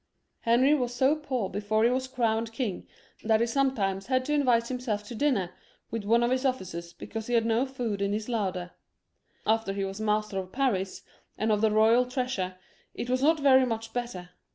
Henry was so poor before he was crowned king, that he sometimes had to invite himself to dinner with one of his officers, because he had no food in his larder. After he was master of Paris and of the royal treasure, it was not very much better.